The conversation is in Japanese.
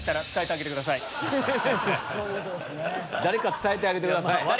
誰か伝えてあげてください。